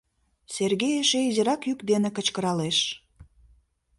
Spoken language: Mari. Сергей эше изирак йӱк дене кычкыралеш: